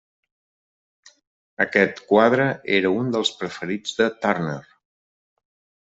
Aquest quadre era un dels preferits de Turner.